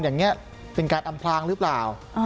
อย่างนี้เป็นการอำพลางหรือเปล่า